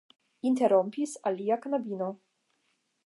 interrompis alia knabino.